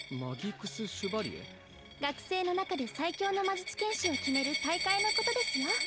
学生の中で最強の魔術剣士を決める大会のことですよ